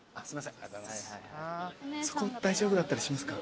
そこ大丈夫だったりしますか？